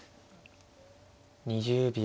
２０秒。